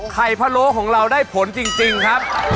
พะโล้ของเราได้ผลจริงครับ